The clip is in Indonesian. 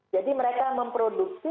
jadi mereka memproduksi